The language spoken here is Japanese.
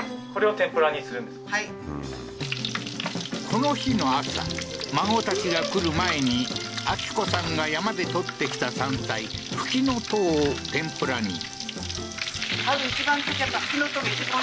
この日の朝、孫たちが来る前に秋子さんが山で採ってきた山菜、フキノトウを天ぷらに。